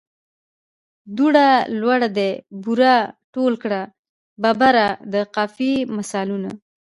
دوړه، لوړ دي، بوره، ټول کړه، ببره د قافیې مثالونه.